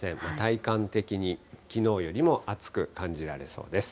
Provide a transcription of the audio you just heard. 体感的に、きのうよりも暑く感じられそうです。